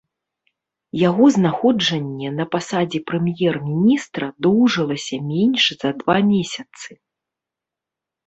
Яго знаходжанне на пасадзе прэм'ер-міністра доўжылася менш за два месяцы.